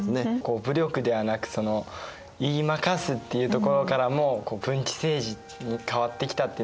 武力ではなく言い負かすっていうところからも文治政治に変わってきたっていうのがよく分かりますね。